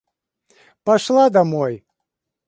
Пошла домой!